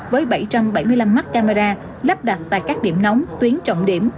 với bảy trăm bảy mươi năm mắt camera lắp đặt tại các điểm nóng tuyến trọng điểm